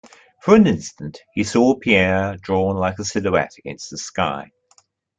For an instant he saw Pierre drawn like a silhouette against the sky.